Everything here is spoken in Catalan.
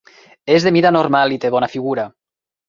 És de mida normal i té bona figura.